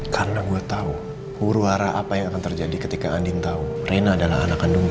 karena gue tau huru hara apa yang akan terjadi ketika andin tau rena adalah anak kandungnya